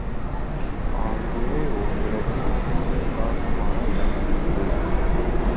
அங்கே ஓரிடத்தில் சற்று விசாலமான இடம் இருந்தது.